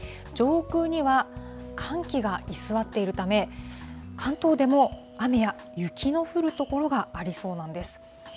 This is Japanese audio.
上空には寒気が居座っているため、関東でも雨や雪の降る所がありそうなんです。